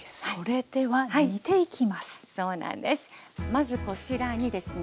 まずこちらにですね